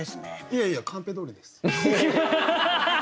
いやいやカンペどおりです。